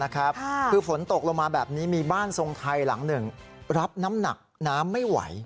คือฝนตกลงมาแบบนี้มีบ้านทรงไทยหลังหนึ่งรับน้ำหนักน้ำไม่ไหว